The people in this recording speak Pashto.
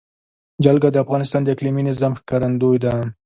جلګه د افغانستان د اقلیمي نظام ښکارندوی ده.